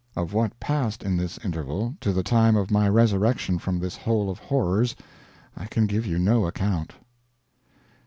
Of what passed in this interval, to the time of my resurrection from this hole of horrors, I can give you no account."